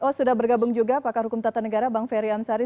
oh sudah bergabung juga pakar hukum tata negara bang ferry amsari